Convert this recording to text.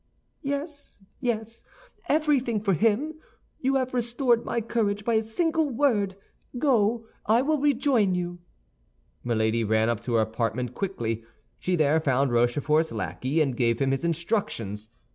"Yes, yes, everything for him. You have restored my courage by a single word; go, I will rejoin you." Milady ran up to her apartment quickly; she there found Rochefort's lackey, and gave him his instructions.